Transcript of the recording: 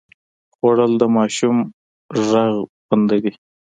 خوړل د ماشوم غږ بندوي